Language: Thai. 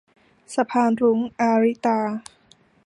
สะพานรุ้ง - อาริตา